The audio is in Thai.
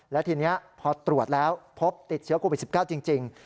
และทีนี้พอตรวจแล้วพบติดเชื้อโควิด๑๙จริง